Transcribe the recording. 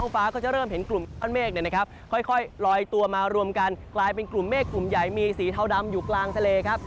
ใบตัวมารวมกันกลายเป็นกลุ่มเมฆกลุ่มใหญ่มีสีเทาดำอยู่กลางทะเลครับ